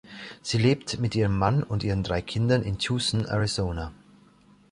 Sie lebt mit ihrem Mann und ihren drei Kindern in Tucson, Arizona.